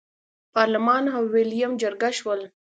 پارلمان او ویلیم جرګه شول.